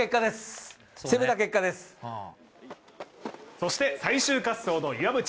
そして最終滑走の岩渕。